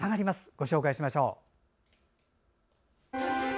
ご紹介しましょう。